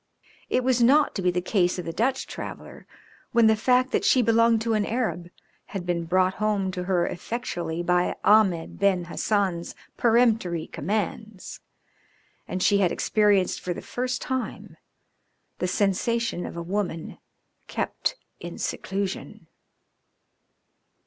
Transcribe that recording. It was not to be the case of the Dutch traveller, when the fact that she belonged to an Arab had been brought home to her effectually by Ahmed Ben Hassan's peremptory commands, and she had experienced for the first time the sensation of a woman kept in seclusion.